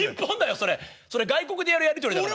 それ外国でやるやり取りだから。